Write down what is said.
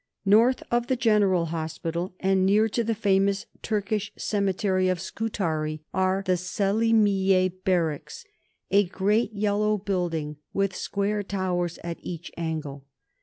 _ North of the General Hospital, and near to the famous Turkish cemetery of Scutari, are the Selimiyeh Barracks a great yellow building with square towers at each angle.